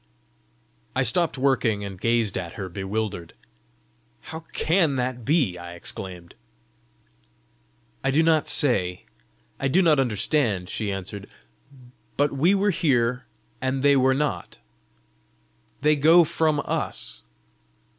I stopped working, and gazed at her, bewildered. "How CAN that be?" I exclaimed. "I do not say; I do not understand," she answered. "But we were here and they not. They go from us.